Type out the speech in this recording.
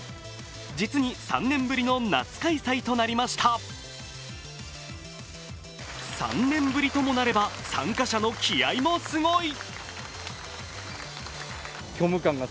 実に３年ぶりの夏開催となりました３年ぶりともなれば、参加者の気合いもすごい。